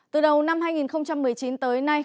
từ đầu năm hai nghìn một mươi chín tới nay